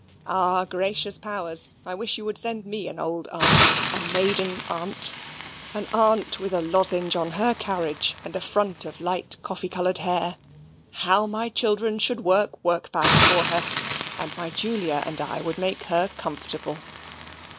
Ah, gracious powers! I wish you would send me an old aunt a maiden aunt an aunt with a lozenge on her carriage, and a front of light coffee coloured hair how my children should work workbags for her, and my Julia and I would make her comfortable!